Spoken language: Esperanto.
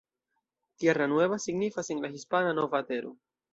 Tierra Nueva signifas en la hispana "Nova Tero".